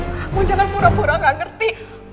kamu jangan pura pura gak ngerti